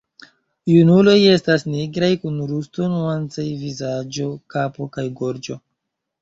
Junuloj estas nigraj kun rusto-nuancaj vizaĝo, kapo kaj gorĝo.